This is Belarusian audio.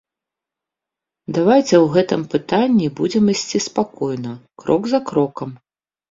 Давайце ў гэтым пытанні будзем ісці спакойна, крок за крокам.